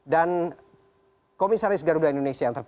dan komisaris garuda indonesia